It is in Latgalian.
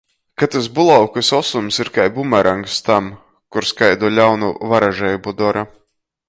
Ka tys bulavkys osums ir kai bumerangs tam, kurs kaidu ļaunu varažeibu dora.